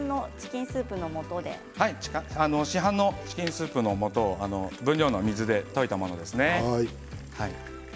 市販のチキンスープのもとを分量の水で溶いたものです。